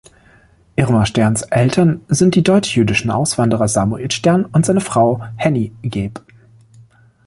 Irma Sterns Eltern sind die deutsch-jüdischen Auswanderer Samuel Stern und seine Frau Henny, geb.